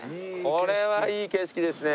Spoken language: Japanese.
これはいい景色ですね。